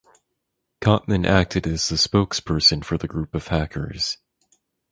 Kottmann acted as the spokesperson for the group of hackers.